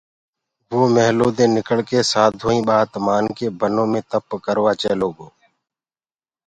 وو مِيهلودي نڪݪڪي سآڌوآئيٚنٚ ٻآت مآنڪي بنو مي تپَ ڪروآ چيلوگو